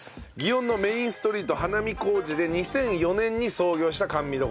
祇園のメインストリート花見小路で２００４年に創業した甘味処。